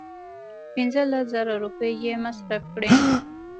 پنځه لس زره روپۍ یې مصرف کړې.